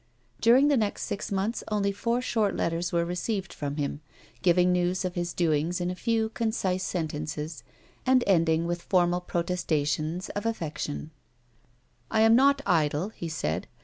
During the next six months only four short letters were received from him, giving news of his doings in a few, concise sentences, and ouJing with formal protestations of affection. 208 A WOMAN'S LIFE. " I am not idle," he said.